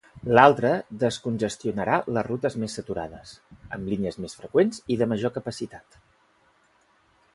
L'altre descongestionarà les rutes més saturades, amb línies més freqüents i de major capacitat.